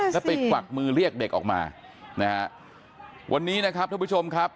แล้วไปกวักมือเรียกเด็กออกมานะฮะวันนี้นะครับท่านผู้ชมครับ